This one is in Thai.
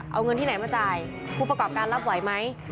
เอาเงินที่ไหนมาจ่ายผู้ประกอบการรับไหวไหม